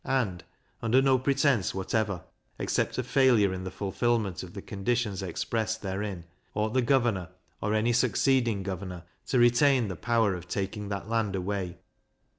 and, under no pretence whatever, except a failure in the fulfilment of the conditions expressed therein, ought the governor, or any succeeding governor, to retain the power of taking that land away.